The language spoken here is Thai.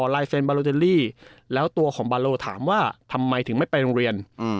ลายเซ็นแล้วตัวของถามว่าทำไมถึงไม่ไปโรงเรียนอืม